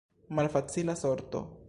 Malfacila sorto.